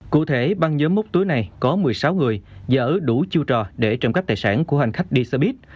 cụ thể băng nhóm móc túi này có một mươi sáu người và ở đủ chiêu trò để trộm cắp tài sản của hành khách đi xe buýt